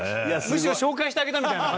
むしろ紹介してあげたみたいな。